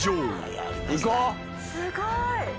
すごい。